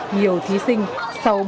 nhiều thí sinh sau một trăm hai mươi phút